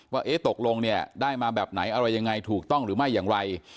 ว่าเอ๊ะตกลงเนี่ยได้มาแบบไหนอะไรยังไงถูกต้องหรือไม่อย่างไร